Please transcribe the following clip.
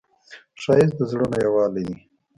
ښایست د زړونو یووالی دی